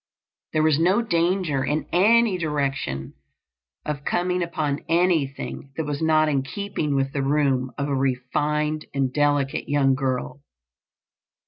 There was no danger in any direction of coming upon anything that was not in keeping with the room of a refined and delicate young girl.